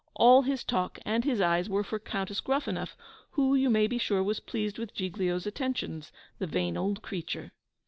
All his talk and his eyes were for Countess Gruffanuff, who, you may be sure, was pleased with Giglio's attentions the vain old creature!